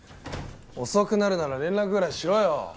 遅くなるなら連絡ぐらいしろよ！